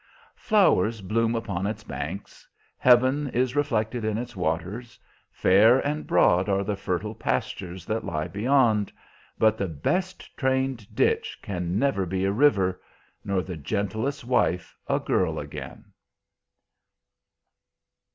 Flowers bloom upon its banks, heaven is reflected in its waters, fair and broad are the fertile pastures that lie beyond; but the best trained ditch can never be a river, nor the gentlest wife a girl again.